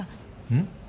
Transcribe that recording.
うん？